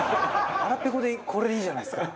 腹ペコでこれでいいじゃないですか。